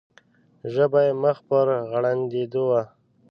ژبه یې مخ پر غړندېدو ده.